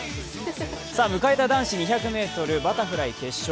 迎えた男子２００ｍバタフライ決勝。